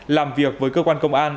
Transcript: làm việc với cơ quan công an